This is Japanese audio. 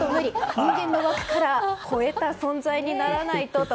人間の枠から超えた存在にならないとと。